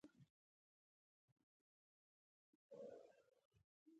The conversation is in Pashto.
مرحوم ایوب صابر د همداسې کیفیت انځور کښلی.